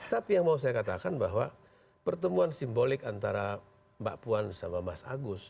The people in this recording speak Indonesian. tapi yang mau saya katakan bahwa pertemuan simbolik antara mbak puan sama mas agus